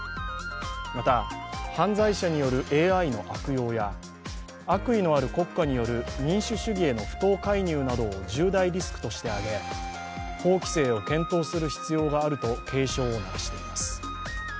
また、犯罪者によるＡＩの悪用や悪意のある国家による民主主義への不当介入などを重大リスクとしてあげ、法規制を検討する必要があると警鐘を鳴らしています。